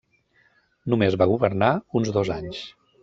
Només va governar uns dos anys.